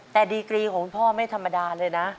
แต่ดีกรีของคุณพ่อไม่ธรรมดาเลยนะ